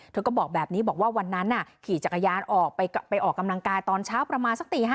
เธอก็บอกแบบนี้บอกว่าวันนั้นขี่จักรยานออกไปออกกำลังกายตอนเช้าประมาณสักตี๕